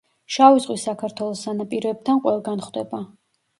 შავი ზღვის საქართველოს სანაპიროებთან ყველგან ხვდება.